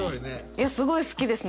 いやすごい好きですね